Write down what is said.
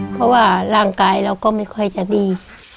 เพราะว่าร่างกายเราก็ไม่ค่อยจะดี